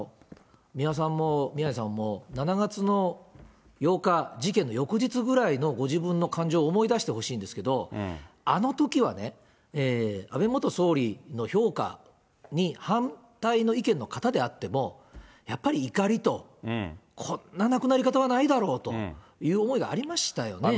三輪さんも、宮根さんも７月の８日、事件の翌日ぐらいのご自分の感情を思い出してほしいんですけれども、あのときはね、安倍元総理の評価に反対の意見の方であっても、やっぱり怒りと、こんな亡くなり方はないだろうという思いがありましたよね。